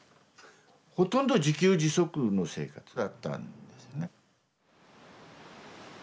ほとんど自給自足の生活だったんですね。